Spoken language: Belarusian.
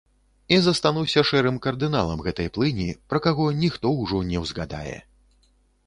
І застануся шэрым кардыналам гэтай плыні, пра каго ніхто ўжо не ўзгадае.